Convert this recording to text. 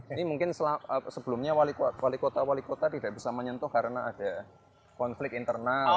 ini mungkin sebelumnya wali kota wali kota tidak bisa menyentuh karena ada konflik internal